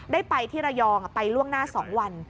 ได้ไปที่ระยองไปล่วงหน้า๒วัน